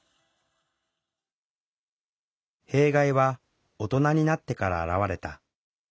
弊害は大人になってから表れた。